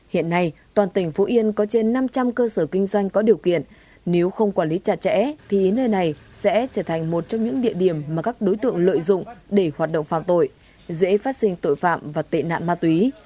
hiện nay toàn tỉnh phú yên có trên năm trăm linh cơ sở kinh doanh có điều kiện nếu không quản lý chặt chẽ thì nơi này sẽ trở thành một trong những địa điểm mà các đối tượng lợi dụng để hoạt động phạm tội dễ phát sinh tội phạm và tệ nạn ma túy